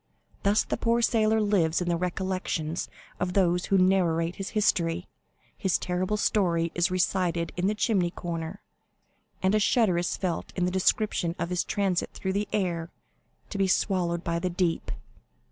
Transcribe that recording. Thus the poor sailor lives in the recollection of those who narrate his history; his terrible story is recited in the chimney corner, and a shudder is felt at the description of his transit through the air to be swallowed by the deep."